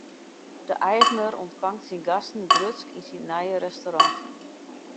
De eigener ûntfangt syn gasten grutsk yn syn nije restaurant.